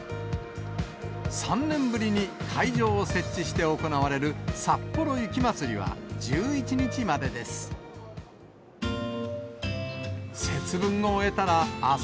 ３年ぶりに会場を設置して行われるさっぽろ雪まつりは１１日までです。